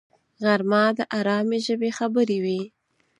غرمه د آرامي ژبې خبرې وي